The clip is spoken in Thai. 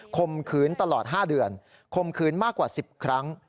มขืนตลอด๕เดือนข่มขืนมากกว่า๑๐ครั้ง